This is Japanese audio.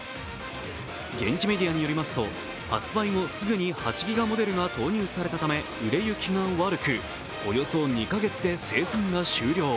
現地メディアによりますと発売後、すぐに８ギガモデルが投入されたため売れ行きが悪く、およそ２か月で生産が終了。